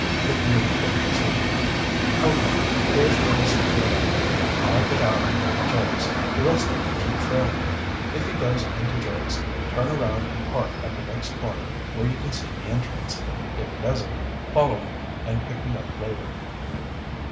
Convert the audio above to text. Rick made a quick decision. "Okay, here's where we split up. I'll get out and go to Jake's. The rest of you keep trailing him. If he goes into Jake's, turn around and park at the next corner where you can see the entrance. If he doesn't, follow him and pick me up later."